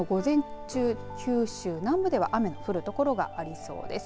あすの午前中、九州南部では雨が降る所がありそうです。